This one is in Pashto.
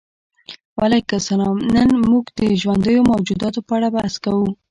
وعلیکم السلام نن موږ د ژوندیو موجوداتو په اړه بحث کوو